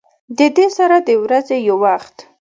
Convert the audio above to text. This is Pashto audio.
د دې سره د ورځې يو وخت